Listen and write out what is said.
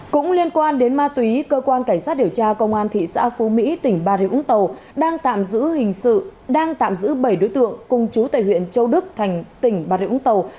cũng liên quan đến ma túy cơ quan cảnh sát điều tra công an thị xã phú mỹ tỉnh bà rịa úng tàu đang tạm giữ bảy đối tượng cùng chú tại huyện châu đức thành tỉnh bà rịa úng tàu